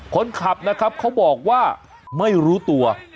คนขับนะครับเขาบอกว่าไม่รู้ตัว